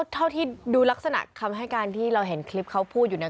เท่าที่ดูลักษณะคำให้การที่เราเห็นคลิปเขาพูดอยู่เนี่ย